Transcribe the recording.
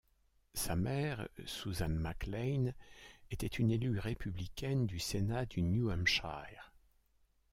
Sa mère, Susan McLane, était une élue républicaine du Sénat du New Hampshire.